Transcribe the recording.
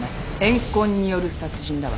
怨恨による殺人だわ。